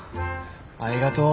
ありがとう。